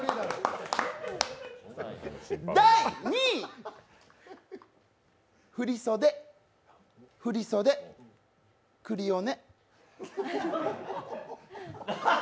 第２位、振り袖、振り袖、クリオネ。